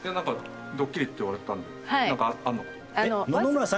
ドッキリって言われたのでなんかあるのかと。